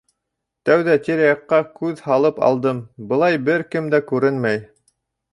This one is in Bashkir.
Тәүҙә тирә-яҡҡа күҙ һалып алдым, былай бер кем дә күренмәй.